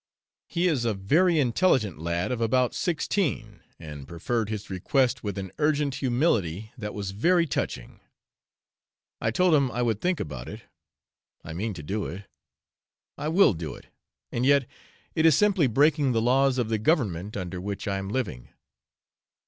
He is a very intelligent lad of about sixteen, and preferred his request with an urgent humility that was very touching. I told him I would think about it. I mean to do it. I will do it, and yet, it is simply breaking the laws of the government under which I am living.